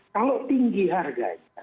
kalau tinggi harganya